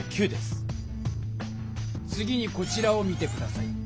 次にこちらを見て下さい。